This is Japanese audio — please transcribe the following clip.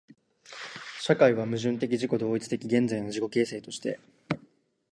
社会は矛盾的自己同一的現在の自己形成として、